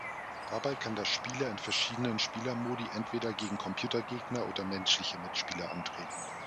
Dabei kann der Spieler in verschiedenen Spielmodi entweder gegen Computergegner oder menschliche Mitspieler antreten.